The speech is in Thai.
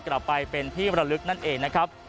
กลับไปเป็นที่บรรลึกนั่นเองนะครับ